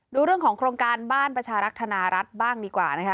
ดูเรื่องของโครงการบ้านประชารักษ์ธนารัฐบ้างดีกว่านะคะ